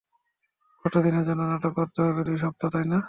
কত দিনের জন্য নাটক করতে হবে, দুই সপ্তাহ, তাই না?